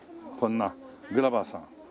こんなグラバーさん。